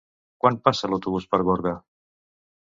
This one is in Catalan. Quan passa l'autobús per Gorga?